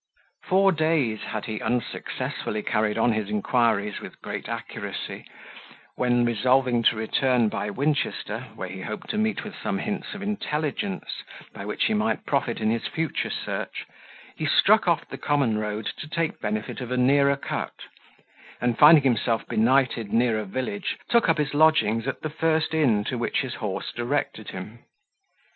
Four days had he unsuccessfully carried on his inquiries with great accuracy, when, resolving to return by Winchester, where he hoped to meet with some hints of intelligence by which he might profit in his future search, he struck off the common road to take the benefit of a nearer cut; and finding himself benighted near a village, took up his lodgings at the first inn to which his horse directed him.